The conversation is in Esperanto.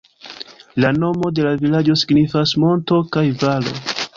La nomo de la vilaĝo signifas "Monto kaj Valo".